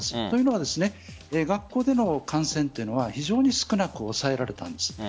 というのは学校での感染というのは非常に少なく抑えられたんです。